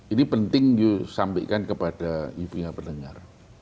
ini penting you sampaikan kepada ibu yang berdengar